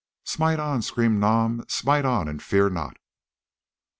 "Smite on," screamed Nam, "smite on and fear not."